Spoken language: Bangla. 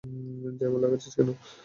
জ্যামার লাগাচ্ছিস কেন?